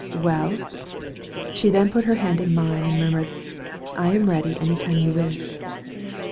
"Well?" She then put her hand in mine and murmured, "I am ready any time you wish."